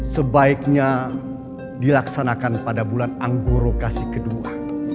sebaiknya dilaksanakan pada bulan anggoro kasih kedua